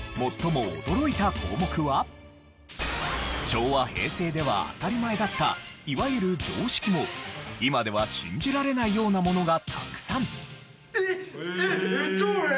昭和・平成では当たり前だったいわゆる常識も今では信じられないようなものがたくさん。